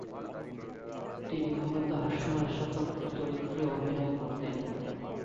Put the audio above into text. তিনি মূলত হাস্যরসাত্মক চরিত্রে অভিনয় করতেন।